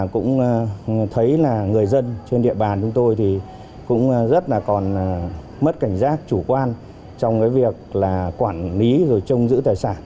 cũng thấy là người dân trên địa bàn chúng tôi thì cũng rất là còn mất cảnh giác chủ quan trong cái việc là quản lý rồi trông giữ tài sản